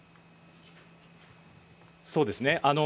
そうですね。